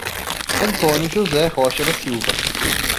Antônio José Rocha da Silva